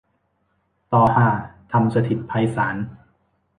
ตอฮา ธรรมสถิตไพศาล